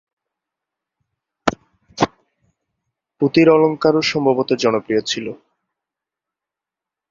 পুঁতির অলঙ্কারও সম্ভবত জনপ্রিয় ছিল।